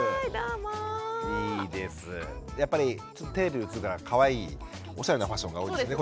やっぱりテレビ映るからかわいいおしゃれなファッションが多いですね